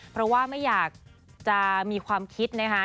เพราะว่าไม่อยากจะมีความคิดนะคะ